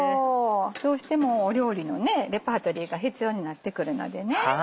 どうしても料理のレパートリーが必要になってくるのでね。